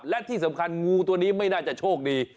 และที่สำคัญงูตัวนี้ไม่น่าจะโชคดี